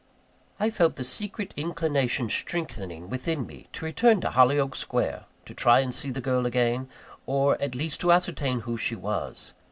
I felt the secret inclination strengthening within me to return to Hollyoake Square; to try to see the girl again, or at least to ascertain who she was.